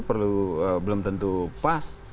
perlu belum tentu pas